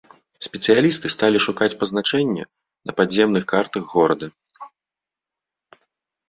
Спецыялісты сталі шукаць пазначэнне на падземных картах горада.